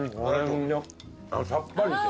さっぱりしてて。